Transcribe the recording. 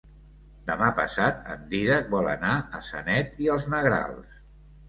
Demà passat en Dídac vol anar a Sanet i els Negrals.